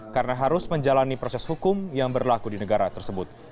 karena harus menjalani proses hukum yang berlaku di negara tersebut